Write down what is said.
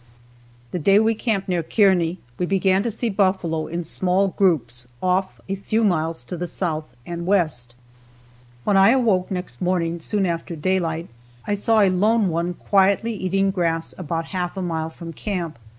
The day we camped near Kearney we began to see buffalo in small groups off a few miles to the south and west. When I awoke next morning, soon after daylight, I saw a lone one quietly eating grass about half a mile from camp.